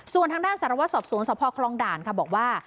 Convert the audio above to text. ส่วนทางด้านสารวัตรสอบสวนสพคลองด่านค่ะบอกว่า